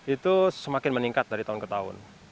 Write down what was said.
itu semakin meningkat dari tahun ke tahun